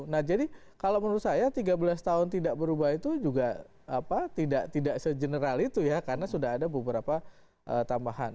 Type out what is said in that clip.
nah jadi kalau menurut saya tiga belas tahun tidak berubah itu juga tidak sejeneral itu ya karena sudah ada beberapa tambahan